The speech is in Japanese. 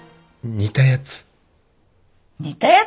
煮たやつ？